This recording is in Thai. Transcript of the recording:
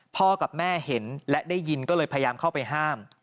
พ่อกับแม่เห็นและได้ยินก็เลยพยายามเข้าไปห้าม